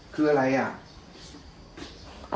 คืออะไรอ่ะ